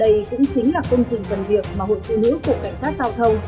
đây cũng chính là công trình phần việc mà hội phụ nữ của cảnh sát giao thông